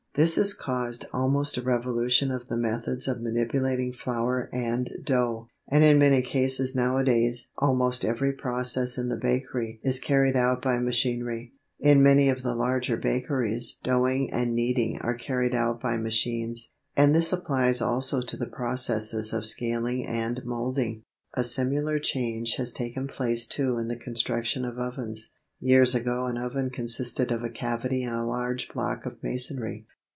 This has caused almost a revolution of the methods of manipulating flour and dough, and in many cases nowadays almost every process in the bakery is carried out by machinery. In many of the larger bakeries doughing and kneading are carried out by machines, and this applies also to the processes of scaling and moulding. A similar change has taken place too in the construction of ovens. Years ago an oven consisted of a cavity in a large block of masonry.